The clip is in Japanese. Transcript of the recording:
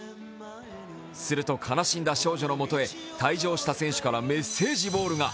すると悲しんだ少女のもとへ退場した選手からメッセージボールが。